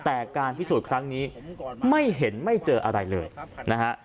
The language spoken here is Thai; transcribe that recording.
แต่การพิสูจน์ครั้งนี้ไม่เห็นไม่เจออะไรเลยนะฮะ